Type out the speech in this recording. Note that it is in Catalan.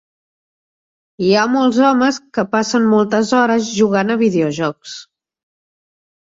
Hi ha molts homes que passen moltes hores jugant a videojocs.